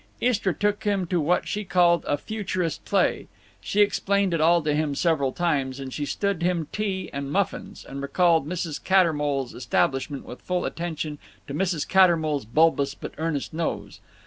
Istra took him to what she called a "futurist play." She explained it all to him several times, and she stood him tea and muffins, and recalled Mrs. Cattermole's establishment with full attention to Mrs. Cattermole's bulbous but earnest nose.